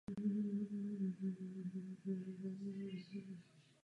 Oba druhy rostou na vlhkých a zaplavovaných stanovištích.